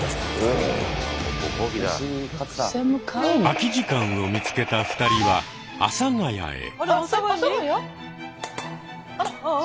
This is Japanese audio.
空き時間を見つけた２人は阿佐ヶ谷へ。